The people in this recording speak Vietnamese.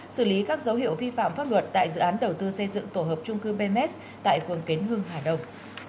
xử lý các dấu hiệu vi phạm pháp luật tại dự án đầu tư xây dựng tổ hợp chung cư bms tại quần kến hương hà đông